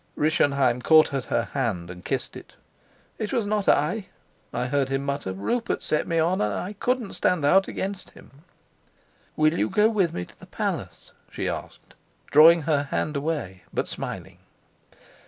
Rischenheim caught at her hand and kissed it. "It was not I," I heard him mutter. "Rupert set me on, and I couldn't stand out against him." "Will you go with me to the palace?" she asked, drawing her hand away, but smiling.